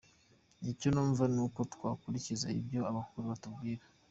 Icyo numva ni uko twakurikiza ibyo abakuru batubwira.